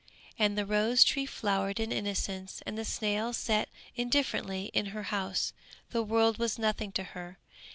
And the rose tree flowered in innocence, and the snail sat indifferently in her house. The world was nothing to her.